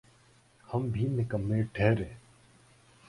ہم بھی نکمّے ٹھہرے۔